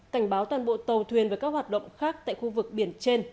cảnh báo toàn bộ tàu thuyền và các hoạt động khác tại khu vực biển trên